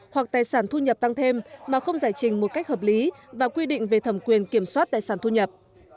hoặc tài sản thu nhập tăng thêm mà không giải trình một cách hợp lý và quy định về thẩm quyền kiểm soát tài sản thu nhập